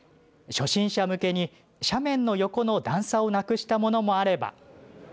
初心者向けに、斜面の横の段差をなくしたものもあれば。